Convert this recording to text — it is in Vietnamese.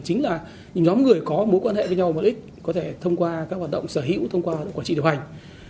chính là nhóm người có mối quan hệ với nhau một ít có thể thông qua các hoạt động sở hữu thông qua quản trị điều hành